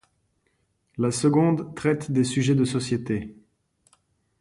la seconde traite des sujets de société